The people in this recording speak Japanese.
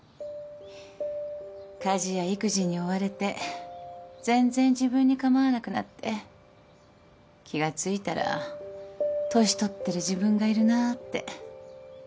家事や育児に追われて全然自分に構わなくなって気が付いたら年取ってる自分がいるなぁって。